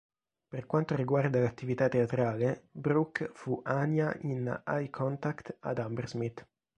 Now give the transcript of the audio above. Per quanto riguarda l'attività teatrale, Brook fu Anya in "Eye Contact" ad Hammersmith.